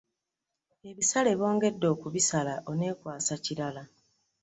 Ebisale bongedde okubisala oneekwasa kirala.